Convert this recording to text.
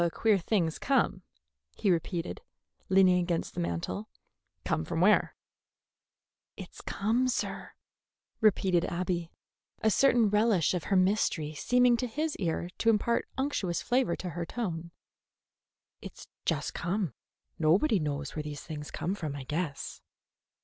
"A queer thing's come," he repeated, leaning against the mantel. "Come from where?" "It's come, sir," repeated Abby, a certain relish of her mystery seeming to his ear to impart an unctuous flavor to her tone. "It's just come. Nobody knows where things come from, I guess."